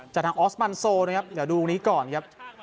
จากทางออสมันโซนะครับเดี๋ยวดูนี้ก่อนครับ